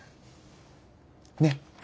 ねっ？